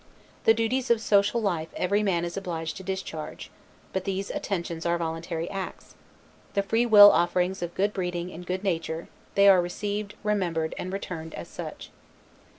The duties of social life every man is obliged to discharge; but these attentions are voluntary acts, the free will offerings of good breeding and good nature; they are received, remembered, and returned as such.